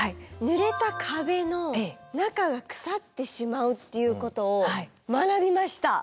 ぬれた壁の中が腐ってしまうっていうことを学びました。